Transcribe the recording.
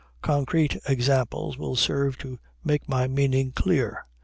Concrete examples will serve to make my meaning clear.